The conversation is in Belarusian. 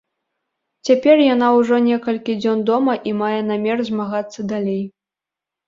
Цяпер яна ўжо некалькі дзён дома і мае намер змагацца далей.